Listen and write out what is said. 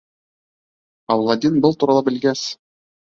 Аладдин был турала белгәс: